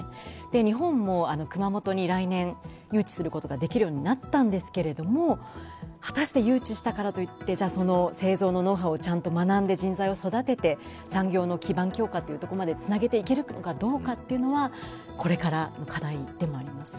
日本も熊本に来年誘致することができるようになったんですけれども果たして誘致したからといって製造のノウハウをちゃんと学んで、人材を育てて、産業の基盤強化というところまでつなげていけるかどうかというのは、これからの課題ですね。